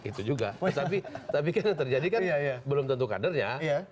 itu juga tapi kan yang terjadi kan belum tentu kadernya